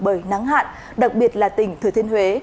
bởi nắng hạn đặc biệt là tỉnh thừa thiên huế